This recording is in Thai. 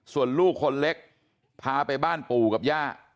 ส่วนลูกคนเล็กพาไปบ้านปู่กับย่า